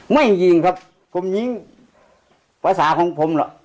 ยิงครับผมยิงภาษาของผมหรอก